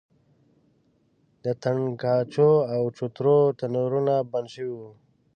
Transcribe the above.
د تنګاچو او چوترو تنورونه بند شوي وو.